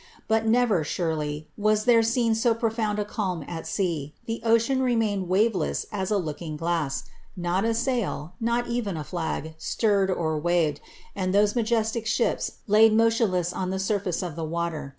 But never, surely, was there seen so profound a calm at sea ; the ocean re mained waveless as a looking glass ; not a sail, not even a flag, stirred or waved, and those majestic ships laid motionless on the surface of the water.